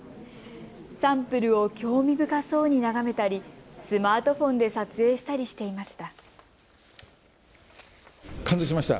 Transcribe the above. サンプルを興味深そうに眺めたり、スマートフォンで撮影したりしていました。